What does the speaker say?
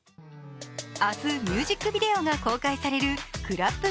明日、ミュージックビデオが公開される「ＣＬＡＰＣＬＡＰ」。